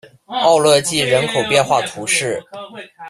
奥勒济人口变化图示